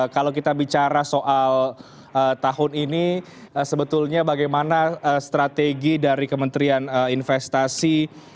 kalau kita bicara soal tahun ini sebetulnya bagaimana strategi dari kementerian investasi